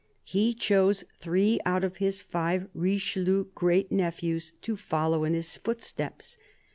He chose three out of his five Richelieu great nephews to follow in his footsteps.